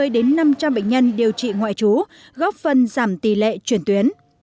bốn trăm năm mươi đến năm trăm linh bệnh nhân điều trị ngoại chú góp phần giảm tỷ lệ chuyển tuyến